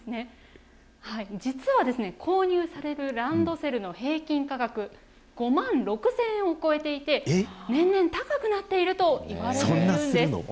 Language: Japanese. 実はですね、購入されるランドセルの平均価格、５万６０００円を超えていて、年々高くなっているといわれているんです。